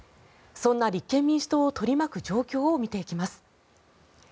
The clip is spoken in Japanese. そんな立憲民主党を取り巻く状況を見ていきます。